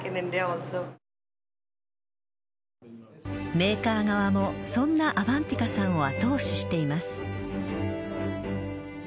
メーカー側もそんなアバンティカさんを後押ししています。